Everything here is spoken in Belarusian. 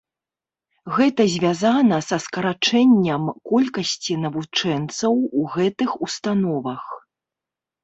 Гэта звязана са скарачэнням колькасці навучэнцаў у гэтых установах.